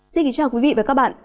xin kính chào quý vị và các bạn